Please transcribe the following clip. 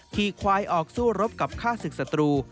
ที่ควายออกสู้รบกับฆ่าศึกศัตรู